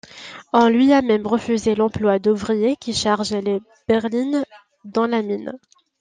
On lui a même refusé l'emploi d'ouvrier qui charge les berlines dams la mine.